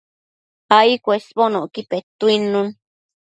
ai cuesbonocqui petuidnun